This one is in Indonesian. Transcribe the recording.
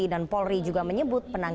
saya juga merasa prihati